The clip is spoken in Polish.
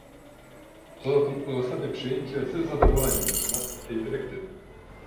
To zatem uzasadnia przyjęcie z zadowoleniem przez nas tej dyrektywy